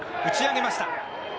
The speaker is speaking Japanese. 打ち上げました。